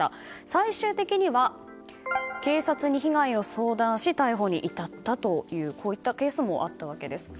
最終的には、警察に被害を相談し逮捕に至ったというこういったケースもあったわけです。